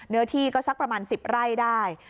เนื้อที่ก็สักประมาณ๑๐ไร่ได้